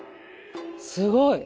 すごい！